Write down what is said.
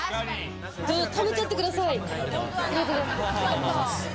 食べちゃってください。